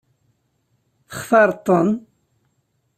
Textaṛeḍ-ten?